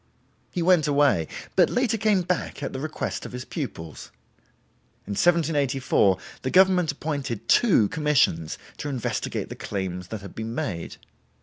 He went away, but later came back at the request of his pupils. In 1784 the government appointed two commissions to investigate the claims that had been made.